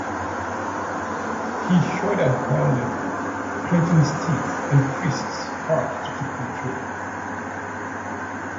He shuddered violently, clenching his teeth and fists hard to keep control.